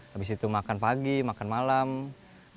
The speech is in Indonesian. habis itu makan pagi makan malam kasur busa bantal lampu tenda